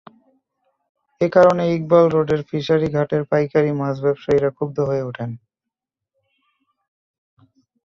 এ কারণে ইকবাল রোডের ফিশারিঘাটের পাইকারি মাছ ব্যবসায়ীরা ক্ষুব্ধ হয়ে ওঠেন।